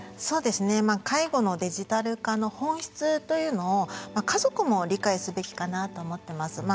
そうですねまあ介護のデジタル化の本質というのを家族も理解すべきかなと思ってます。